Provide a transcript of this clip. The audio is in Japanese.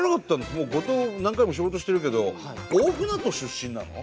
もう後藤何回も仕事してるけど大船渡出身なの？